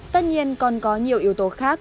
tất nhiên còn có nhiều yếu tố khác